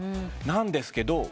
なんですけど。